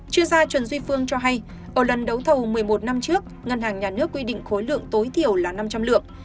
chuyên gia trần duy phương cho hay ở lần đấu thầu một mươi một năm trước ngân hàng nhà nước quy định khối lượng tối thiểu là năm trăm linh lượng